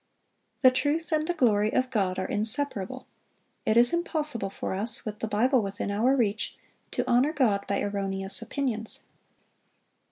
The truth and the glory of God are inseparable; it is impossible for us, with the Bible within our reach, to honor God by erroneous opinions.